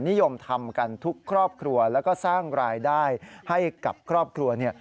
นิยมทำกันทุกครอบครัวแล้วก็สร้างรายได้ให้กับครอบครัวเนี่ย